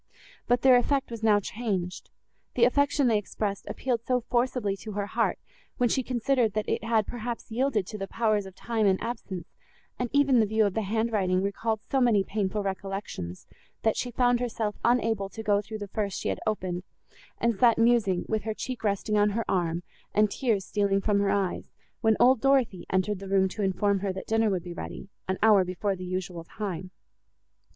But their effect was now changed; the affection they expressed appealed so forcibly to her heart, when she considered that it had, perhaps, yielded to the powers of time and absence, and even the view of the hand writing recalled so many painful recollections, that she found herself unable to go through the first she had opened, and sat musing, with her cheek resting on her arm, and tears stealing from her eyes, when old Dorothée entered the room to inform her, that dinner would be ready, an hour before the usual time.